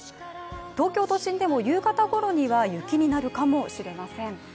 東京都心でも夕方ごろには雪になるかもしれません。